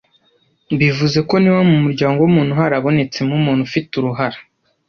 bivuze ko niba mu muryango w’umuntu harabonetsemo umuntu ufite uruhara